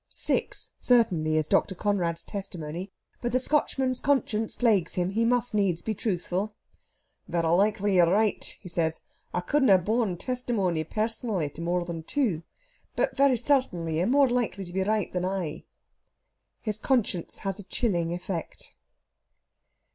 Six, certainly, is Dr. Conrad's testimony. But the Scotchman's conscience plagues him; he must needs be truthful. "Vara likely you're right," he says. "I couldna have borne testimony pairsonally to more than two. But vara sairtainly you're more likely to be right than I." His conscience has a chilling effect.